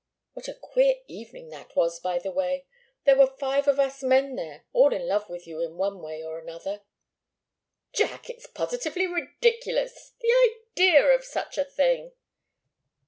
What a queer evening that was, by the way! There were five of us men there, all in love with you in one way or another." "Jack! It's positively ridiculous! The idea of such a thing!"